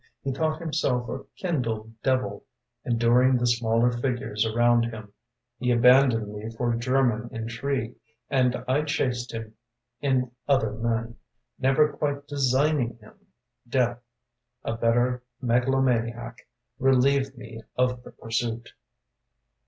He thought himself a kindled devil Enduring the smaller figures around him. He abandoned me for German intrigue And I chased him in other men, Never quite designing him. Death, a better megalomaniac, Relieved me of the pursuit.